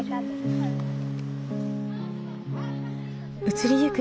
移りゆく